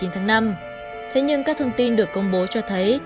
tháng năm thế nhưng các thông tin được công bố cho thấy